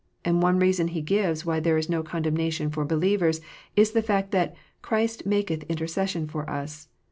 " and one reason he gives why there is no condemnation for believers, is the fact that " Christ maketh intercession for us."